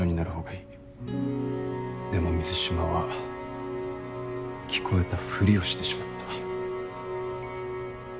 でも水島は聞こえたふりをしてしまった。